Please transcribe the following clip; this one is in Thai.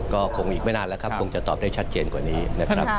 ก็คงอีกไม่นานแล้วครับคงจะตอบได้ชัดเจนกว่านี้นะครับ